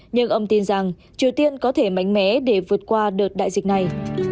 nhưng ông tin rằng triều tiên có thể mạnh mẽ để vượt qua đợt đại dịch này